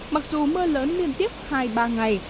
mặc dù mưa lớn liên tiếp hai ba ngày